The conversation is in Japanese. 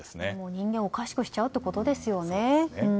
人間をおかしくしちゃうってことですよね。